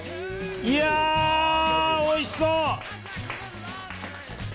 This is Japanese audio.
いや、おいしそう！